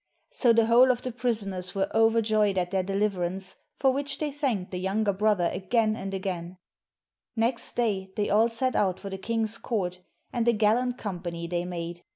So the whole of the prisoners were overjoyed at their deliverance, for which they thanked the younger brother THE RED ETTIN 323 again and again. Next day they all set out for the king's court, and a gallant company they made.